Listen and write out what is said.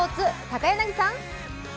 高柳さん。